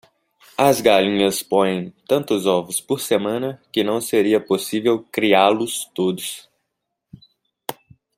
As galinhas põem tantos ovos por semana? que não seria possível criá-los todos.